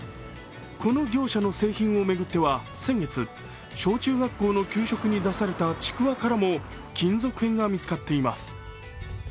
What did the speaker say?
この業者の製品を巡っては先月小中学校の給食に出されたちくわからも金属片が見つかっています。